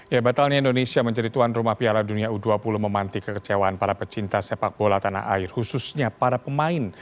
ya batalnya indonesia menjadi tuan rumah piala dunia u dua puluh memanti kekecewaan para pecinta sepak bola tanah air khususnya para pemain